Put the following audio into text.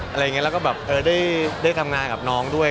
อะไรอย่างนี้แล้วก็แบบได้ทำงานกับน้องด้วย